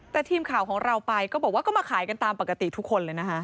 แต่ทีมข่าวของเราไปก็บอกว่าก็มาขายกันตามปกติทุกคนเลยนะคะ